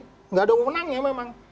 tidak ada undangnya memang